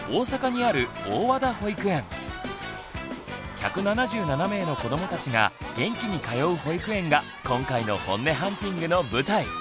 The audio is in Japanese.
１７７名の子どもたちが元気に通う保育園が今回のホンネハンティングの舞台。